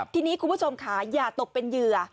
ทีนี้คุณผู้ชมค่ะอย่าตกเป็นเหยื่อ